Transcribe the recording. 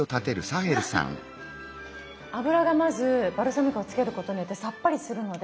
油がまずバルサミコをつけることによってさっぱりするので。